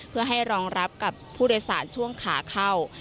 เพื่อให้รองรับกับผู้โดยสารช่วงขาเข้า